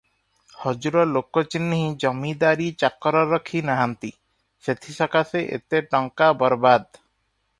ହଜୁର ଲୋକ ଚିହ୍ନି ଜମିଦାରୀ ଚାକର ରଖି ନାହାନ୍ତି ସେଥି ସକାଶେ ଏତେ ଟଙ୍କା ବରବାଦ ।